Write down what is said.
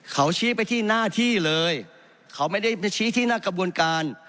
เขาชี้ไปที่หน้าที่เลยเขาไม่ได้ชี้ที่หน้ากระบวนการ